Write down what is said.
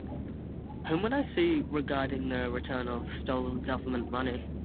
Whom would I see regarding the return of stolen Government money?